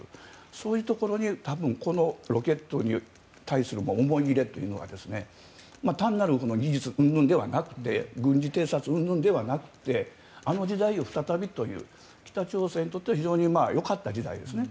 そういうところにこのロケットに対する思い入れというのが単なる技術うんぬんではなくて軍事偵察うんぬんではなくてあの時代を再びという北朝鮮にとっては非常によかった時代ですね。